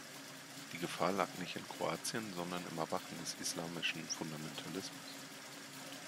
Die Gefahr lag nicht in Kroatien, sondern im Erwachen des islamischen Fundamentalismus.